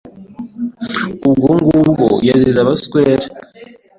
Ubwo ngubwo yazize Abaswere